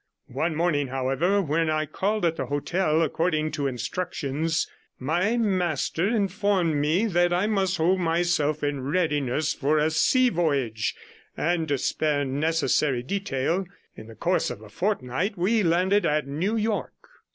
One morning, however, when I called at the hotel according to instructions, my master informed me that I must hold myself in readiness for a sea voyage, and, to spare necessary detail, in the course of a fortnight we landed at New York.